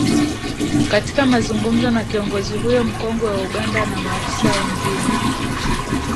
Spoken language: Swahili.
katika mazungumzo na kiongozi huyo mkongwe wa Uganda na maafisa wengine